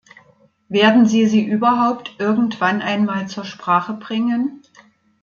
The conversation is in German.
Werden Sie sie überhaupt irgendwann einmal zur Sprache bringen?